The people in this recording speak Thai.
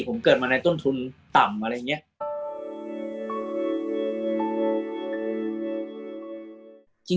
ผมเกิดมาในต้นทุนต่ำอะไรอย่างนี้